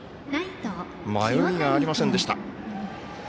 迷いがありませんでした。